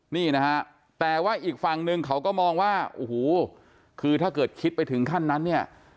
นี่นะฮะแต่ว่าอีกฝั่งนึงเขาก็มองว่าโอ้โหคือถ้าเกิดคิดไปถึงขั้นนั้นเนี่ย